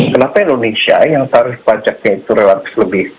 kenapa indonesia yang tarif pajaknya itu relatif lebih